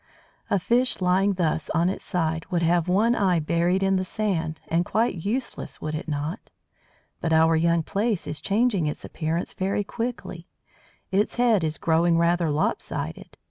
A fish lying thus on its side would have one eye buried in the sand, and quite useless, would it not? But our young Plaice is changing its appearance very quickly. Its head is growing rather "lopsided."